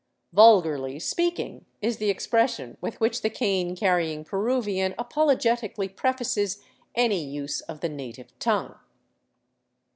" Vulgarly speaking " is the expression with which the cane carrying Peruvian apologetically prefaces any use of the native tongue.